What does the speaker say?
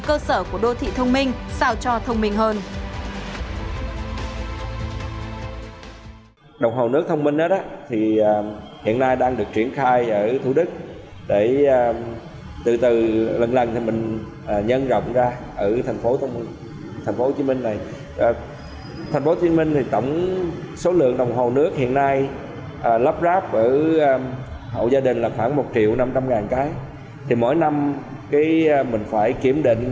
các cơ sở của đô thị thông minh sao cho thông minh hơn